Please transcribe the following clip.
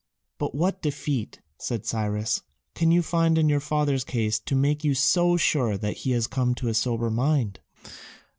"But what defeat," said Cyrus, "can you find in your father's case to make you so sure that he has come to a sober mind?"